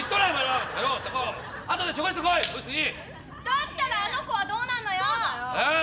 だったらあの子はどうなんの⁉えっ？